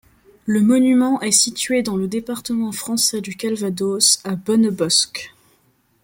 Le monument est situé dans le département français du Calvados, à Bonnebosq.